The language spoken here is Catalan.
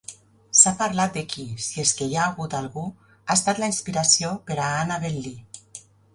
S'ha parlat de qui, si és que hi ha hagut algú, ha estat la inspiració per a "Annabel Lee".